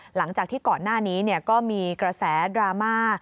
หลังจากที่ก่อนหน้านี้ก็มีกระแสดราม่า